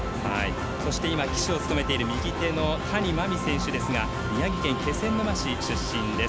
そして、旗手を務めている右手の谷真海選手ですが宮城県気仙沼市出身です。